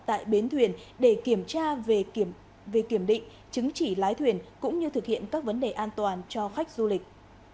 tại bến thuyền để kiểm tra về kiểm định chứng chỉ lái thuyền cũng như thực hiện các vấn đề an toàn cho khách du lịch